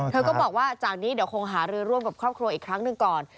เธอก็บอกว่าจากนี้เดี๋ยวคงหารือร่วมกับครอบครัวอีกครั้งหนึ่งก่อน